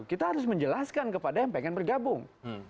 kita harus menjelaskan kepada yang pengen bergabung